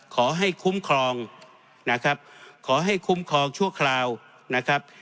ขอให้คุ้มครองนะครับขอให้คุ้มครองชั่วคราวนะครับ